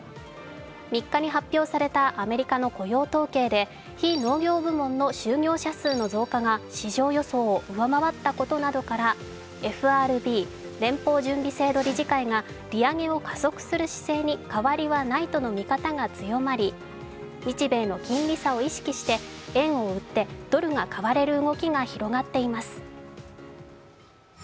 ３日に発表されたアメリカの雇用統計で非農業部門の就業者数の増加が市場予想を上回ったことなどからＦＲＢ＝連邦準備制度理事会が利上げを加速する姿勢に変わりはないとの見方が強まり日米の金利差を意識して円を売ってドルが買われる動きが広がっています。